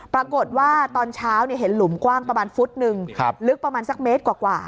ปรากฏว่าตอนเช้าเห็นหลุมกว้างประมาณฟุตนึงลึกประมาณสักเมตรกว่า